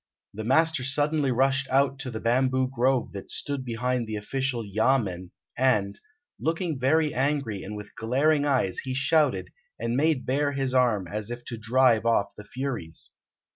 The master suddenly rushed out to the bamboo grove that stood behind the official yamen, and, looking very angry and with glaring eyes, he shouted, and made bare his arm as if to drive off the furies.